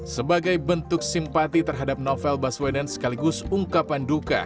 sebagai bentuk simpati terhadap novel baswedan sekaligus ungkapan duka